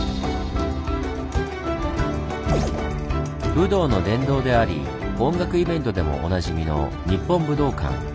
武道の殿堂であり音楽イベントでもおなじみの日本武道館。